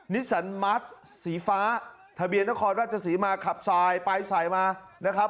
วิสันมัสศรีฟ้าทะเบียนละครราชศรีมาขับทรายปลายทรายมา